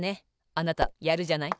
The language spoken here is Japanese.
あなたやるじゃない。